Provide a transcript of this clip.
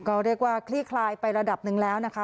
ก็เรียกว่าคลี่คลายไประดับหนึ่งแล้วนะคะ